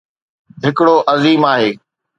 ھڪڙو عظيم آھي.